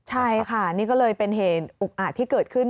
ใช่ค่ะนี่ก็เลยเป็นเหตุอุกอาจที่เกิดขึ้น